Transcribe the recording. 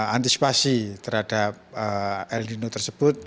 antisipasi terhadap el nino tersebut